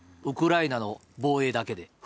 ウクライナの防衛だけで。